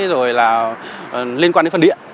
rồi là liên quan đến phần điện